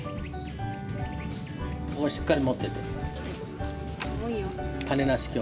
しっかり持ってて。